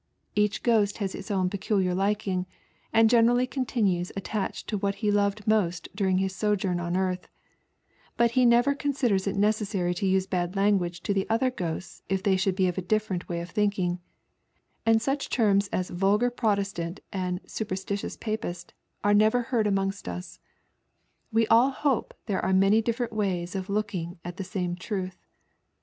Each ghost has his own peculiar liking, and generally continues attached to what he loved most during his sojourn on earth, but he never considers it necessary to use bad language to the othor ghosts if they should be of a different way of thinking ; and such terms as vulgar Protestant and auperatitious Papist are never heard amongst ua. We all hope there are many different ways of looking at the same truth.